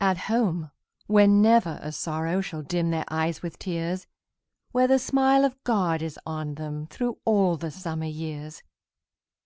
At home, where never a sorrow Shall dim their eyes with tears! Where the smile of God is on them Through all the summer years!